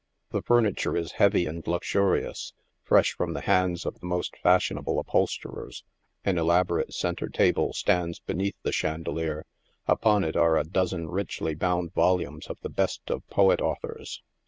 The furniture is heavy and lux urious, fresh from the hands of the most fashionable upholsterers. An elaborate centre table stands beneath the chandelier, upon it are a dozen richly bound volumes of the best of poet authors.